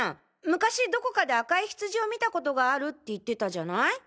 昔どこかで赤いヒツジを見たことがあるって言ってたじゃない？